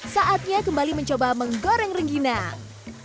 saatnya kembali mencoba menggoreng rengginang